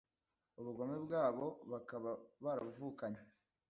ubugome bwabo bakaba barabuvukanye,